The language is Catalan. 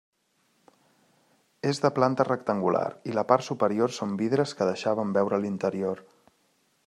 És de planta rectangular i la part superior són vidres que deixaven veure l'interior.